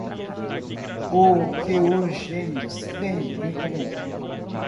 O que os gênios têm em comum